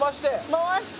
回して。